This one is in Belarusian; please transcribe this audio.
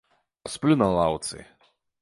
А сплю на лаўцы.